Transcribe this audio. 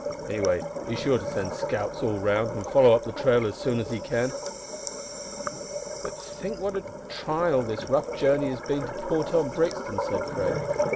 Anyway, he's sure to send scouts all round, and follow up the trail as soon as he can." "But think what a trial this rough journey has been to poor Tom Brixton," said Fred.